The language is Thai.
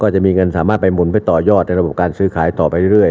จะมีเงินสามารถไปหมุนไปต่อยอดในระบบการซื้อขายต่อไปเรื่อย